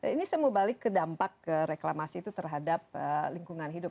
ini semua balik ke dampak reklamasi itu terhadap lingkungan hidup